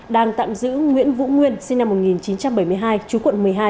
đang tạm giữ nguyễn vũ nguyên sinh năm một nghìn chín trăm bảy mươi hai chú quận một mươi hai